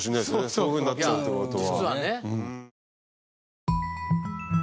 そういうふうになっちゃうって事は。